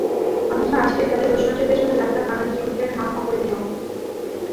অথচ আজকের তাঁদের ঐশ্বর্যের পেছনে লাখ লাখ বাঙালি শ্রমিকের ঘাম অপরিমেয়।